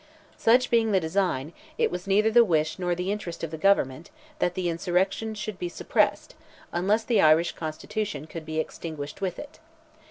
Such being the design, it was neither the wish nor the interest of the Government, that the insurrection should be suppressed, unless the Irish constitution could be extinguished with it.